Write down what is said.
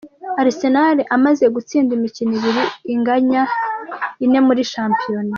Arsenal amaze gutsinda imikino ibiri inganya ine muri shampiyona.